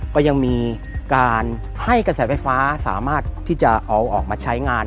ก็ยังมีการให้กระแสไฟฟ้าสามารถที่จะเอาออกมาใช้งาน